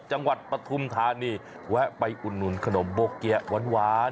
จังหวัดปฐุมธานีแวะไปอุ่นขนมโบ๊กเกี๊ยะหวาน